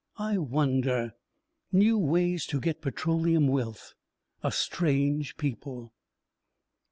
"I wonder: new ways to get petroleum wealth ... a strange people...."